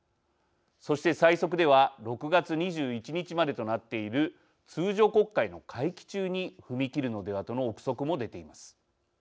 そして最速では６月２１日までとなっている通常国会の会期中に踏み切るのではとの臆測も出ています。